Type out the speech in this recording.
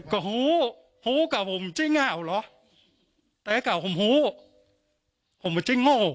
ก็หู้หู้กล่าวก็มันจั๊ยงอ่าวเหรอแต่กล่าวพังมันจะง่อ